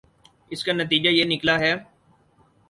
اس کا نتیجہ یہ نکلا ہے